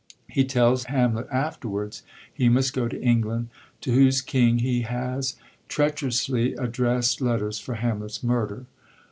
He tells Hamlet after wards he must go to England, to whose king he has treacherously addrest letters for Hamlet's murder.